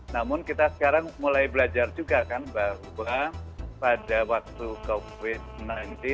namun kita sekarang mulai belajar juga kan bahwa pada waktu covid sembilan belas